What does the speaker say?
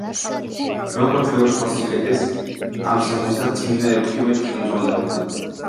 როგორც ბევრ სხვა სიკეთეს, ამ საქმესაც წმინდა ექვთიმე ხელმძღვანელობდა.